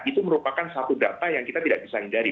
itu merupakan satu data yang kita tidak bisa hindari